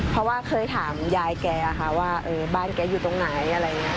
เพราะว่าเคยถามยายแกว่าบ้านแกอยู่ตรงไหน